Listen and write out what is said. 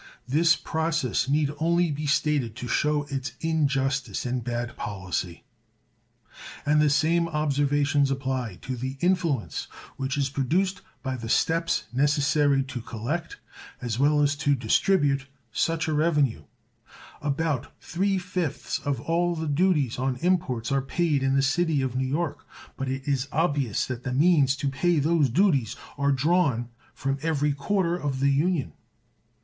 This process need only be stated to show its injustice and bad policy. And the same observations apply to the influence which is produced by the steps necessary to collect as well as to distribute such a revenue. About 3/5 of all the duties on imports are paid in the city of New York, but it is obvious that the means to pay those duties are drawn from every quarter of the Union.